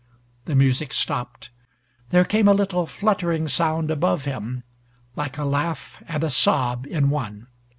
The music stopped. There came a little fluttering sound above him, like a laugh and a sob in one.